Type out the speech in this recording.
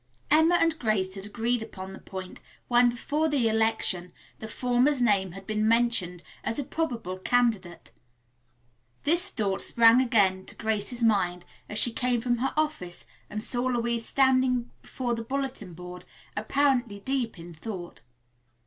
Emma and Grace had agreed upon the point when, before the election, the former's name had been mentioned as a probable candidate. This thought sprang again to Grace's mind as she came from her office and saw Louise still standing before the bulletin board, apparently deep in thought.